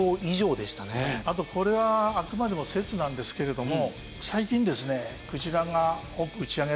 あとこれはあくまでも説なんですけれども。